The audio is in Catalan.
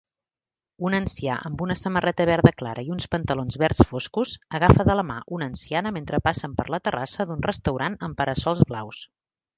Un ancià amb una samarreta verda clara i uns pantalons verds foscos agafa de la mà una anciana mentre passen per la terrassa d'un restaurant amb para-sols blaus